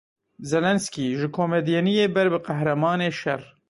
Zelensky ji komedyeniyê ber bi Qehremanê Şer.